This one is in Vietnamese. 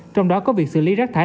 trong đó có việc xử lý rác thải